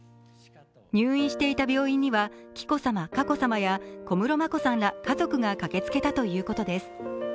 入院していた病院には紀子さま、佳子さまや小室眞子さんら家族が駆けつけたということです。